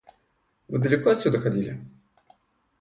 Вы далеко отсюда ходили?